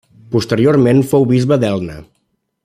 Posteriorment fou bisbe d'Elna.